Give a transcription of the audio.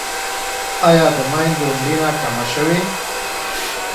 آیا د میندو مړینه کمه شوې؟